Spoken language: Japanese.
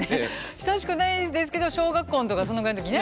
久しくないですけど小学校とかそのぐらいの時ね。